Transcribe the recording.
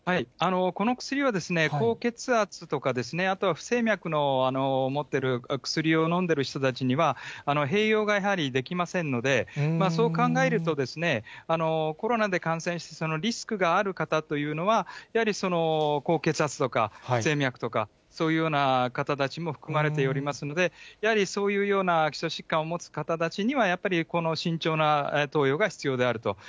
この薬は、高血圧とかですね、あとは不整脈の持ってる薬を飲んでる人たちには、併用がやはりできませんので、そう考えると、コロナで感染してリスクがある方というのは、やはり高血圧とか、不整脈とか、そういうような方たちも含まれておりますので、やはりそういうような基礎疾患を持つ方たちには、やっぱりこの慎重な投与が必要であると。